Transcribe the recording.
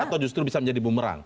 atau justru bisa menjadi bumerang